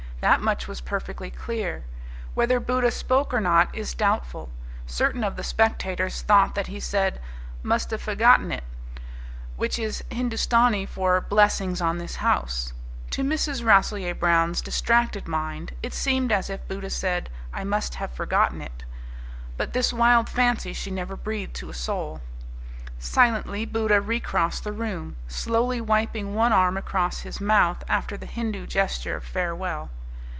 That much was perfectly clear. Whether Buddha spoke or not is doubtful. Certain of the spectators thought that he said, 'Must a fagotnit', which is Hindustanee for "Blessings on this house." To Mrs. Rasselyer Brown's distracted mind it seemed as if Buddha said, "I must have forgotten it" But this wild fancy she never breathed to a soul. Silently Buddha recrossed the room, slowly wiping one arm across his mouth after the Hindu gesture of farewell.